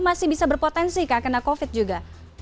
masih bisa berpotensi kena covid juga